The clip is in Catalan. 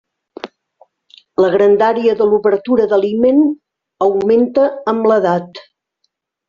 La grandària de l'obertura de l'himen augmenta amb l'edat.